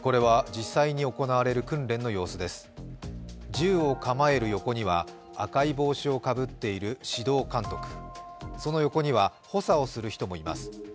銃を構える横には赤い帽子をかぶっている指導監督、その横には補佐をする人もいます。